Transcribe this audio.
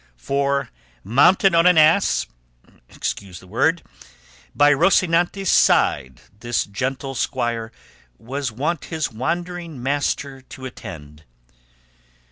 For mounted on an ass (excuse the word), By Rocinante's side this gentle squire Was wont his wandering master to attend.